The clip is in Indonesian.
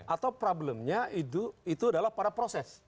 atau problemnya itu adalah pada proses